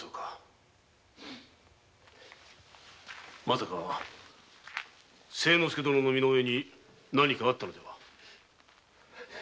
まさか誠之助殿の身の上に何かあったのでは？